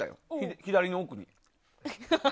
左の奥に。